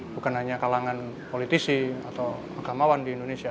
bukan hanya kalangan politisi atau agamawan di indonesia